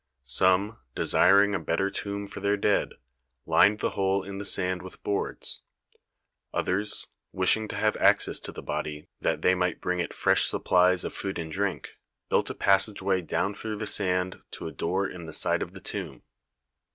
Some, desiring a better tomb for their dead, lined the hole in the sand with boards; others, wishing to have access to the body that they might bring it fresh supplies of food and drink, built a passageway down through the sand to a door in the side of the tomb.